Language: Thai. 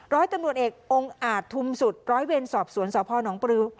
ร้อยตำรวจเอกองค์อาจทุมสุดร้อยเวรสอบสวนสพนปริว